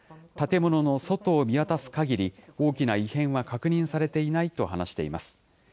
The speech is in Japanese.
建物の外を見渡すかぎり、大きな異変は確認されていないと話しています。